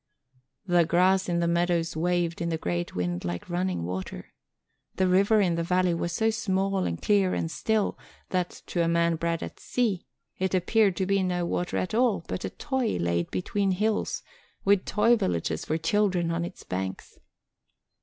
The grass in the meadows waved in the great wind like running water. The river in the valley was so small and clear and still that, to a man bred at sea, it appeared to be no water at all but a toy laid between hills, with toy villages for children on its banks.